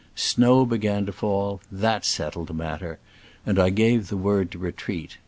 Snow be gan to fall : that settled the matter, and I gave the word to retreat.